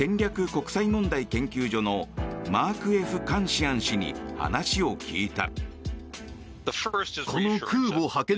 国際問題研究所のマーク・Ｆ・カンシアン氏に話を聞いた。